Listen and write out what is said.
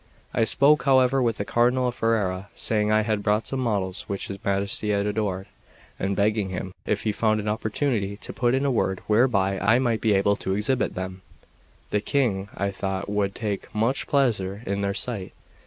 I spoke, however, with the Cardinal of Ferrara, saying I had brought some models which his Majesty had ordered, and begging him, if he found an opportunity, to put in a word whereby I might be able to exhibit them; the King, I thought, would take much pleasure in their sight.